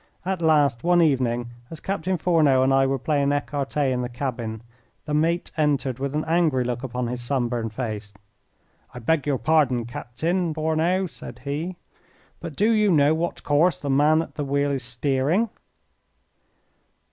At last one evening, as Captain Fourneau and I were playing ecarte in the cabin, the mate entered with an angry look upon his sunburned face. "I beg your pardon, Captain Fourneau," said he. "But do you know what course the man at the wheel is steering?"